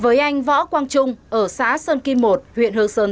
với anh võ quang trung ở xã sơn kim một huyện hương sơn